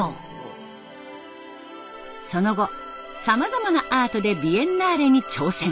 その後さまざまなアートでビエンナーレに挑戦。